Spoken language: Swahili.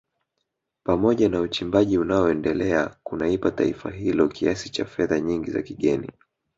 Pamoja na uchimbaji unaoendelea kunaipa taifa hilo kiasi cha fedha nyingi za kigeni